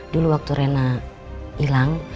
dulu waktu rena ilang